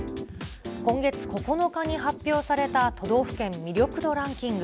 今月９日に発表された都道府県魅力度ランキング。